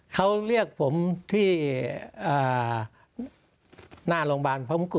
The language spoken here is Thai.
เขาเรียกผมที่หน้าโรงแบลน์พระมกุฏ